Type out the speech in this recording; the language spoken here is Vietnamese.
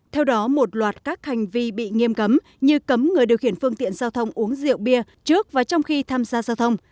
theo đó một loạt các hành vi bị nghiêm cấm như cấm người điều khiển phương tiện giao thông uống rượu bia trước và trong khi tham gia giao thông